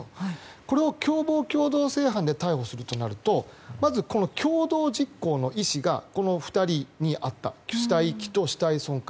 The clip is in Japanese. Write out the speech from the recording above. これを共謀共同正犯で逮捕するとなるとまず、共同実行の意思が２人にあった死体遺棄と死体損壊。